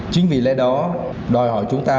chính vì lẽ đó đòi hỏi chúng ta